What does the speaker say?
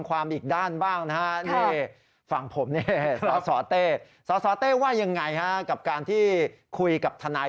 ความอีกด้านบ้างฝั่งผมสตสตว่ายังไงกับการที่คุยกับทนาย